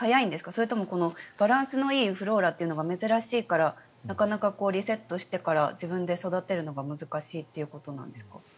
それともバランスのいいフローラというのが珍しいからなかなか、リセットしてから自分で育てるのが難しいということなんですか？